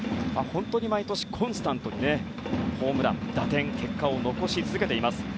本当に毎年、コンスタントにホームラン、打点と結果を残し続けています。